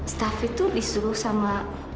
staff itu disuruh sama